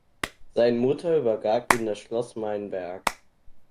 Sein Mutter übergab ihm das Schloss Mainberg.